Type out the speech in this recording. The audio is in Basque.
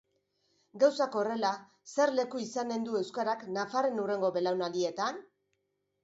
Gauzak horrela, zer leku izanen du euskarak nafarren hurrengo belaunaldietan?